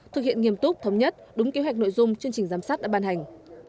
thực hiện nghiêm túc thống nhất đúng kế hoạch nội dung chương trình giám sát đã ban hành